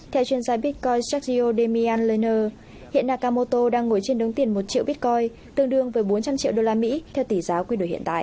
theo chuyên giai bitcoin sergio demian lerner hiện nakamoto đang ngồi trên đống tiền một triệu bitcoin tương đương với bốn trăm linh triệu đô la mỹ theo tỷ giá quy đổi hiện tại